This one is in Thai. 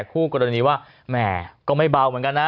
คู่กรณีว่าแหมก็ไม่เบาเหมือนกันนะ